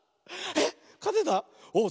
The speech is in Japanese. えっ！